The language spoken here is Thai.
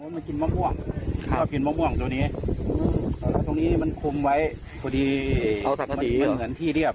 มันกินมะม่วงมันกินมะม่วงตรงนี้ตรงนี้มันคุมไว้พอดีมันเหมือนที่เรียบ